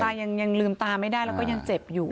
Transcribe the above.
ยังลืมตาไม่ได้แล้วก็ยังเจ็บอยู่